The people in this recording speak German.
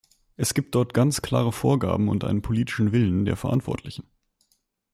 Es gibt dort ganz klare Vorgaben und einen politischen Willen der Verantwortlichen.